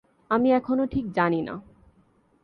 আমি এখনো ঠিক জানি না।